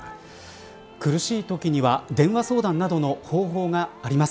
苦しいときには電話相談などの方法があります。